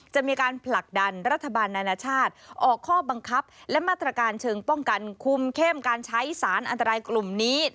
จะมีการผลักดันรัฐบาลนานาชาติออกข้อบังคับและมาตรการเชิงป้องกันคุมเข้มการใช้สารอันตรายกลุ่มนี้